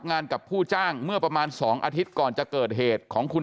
กับผู้จ้างเมื่อประมาณ๒อาทิตย์ก่อนจะเกิดเหตุของคุณ